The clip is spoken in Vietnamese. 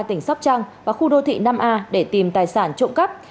tỉnh sóc trăng và khu đô thị năm a để tìm tài sản trộm cắp